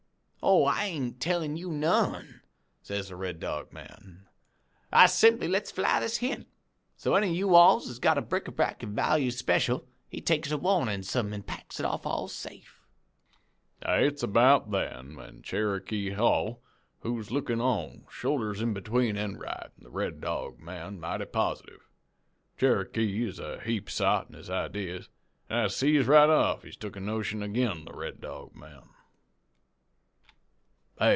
"'Oh! I ain't tellin' you none,' says the Red Dog man, 'I simply lets fly this hint, so any of you alls as has got bric a brac he values speshul, he takes warnin' some an' packs it off all safe.' "It's about then when Cherokee Hall, who's lookin' on, shoulders in between Enright an' the Red Dog man, mighty positive. Cherokee is a heap sot in his idees, an' I sees right off he's took a notion ag'in the Red Dog man.